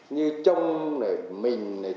như trông mình trò bẫy